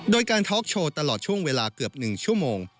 โดยการทอล์กโชว์ตลอดช่วงเวลาเกือบ๑ชั่วโมง